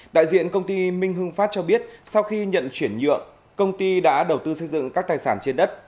đại diện công ty minh hưng phát cho biết sau khi nhận chuyển nhượng công ty đã đầu tư xây dựng các tài sản trên đất